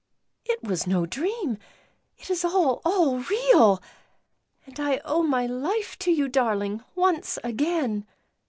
"It was no dream! It is all, all real! And I owe my life to you, darling, once again!"